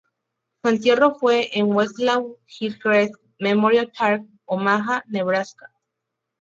Su entierro fue en Westlawn-Hillcrest Memorial Park, Omaha, Nebraska.